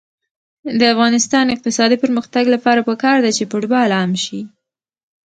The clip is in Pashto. د افغانستان د اقتصادي پرمختګ لپاره پکار ده چې فوټبال عام شي.